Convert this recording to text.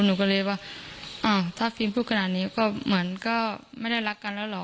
หนูก็เลยว่าอ้าวถ้าฟิล์มพูดขนาดนี้ก็เหมือนก็ไม่ได้รักกันแล้วเหรอ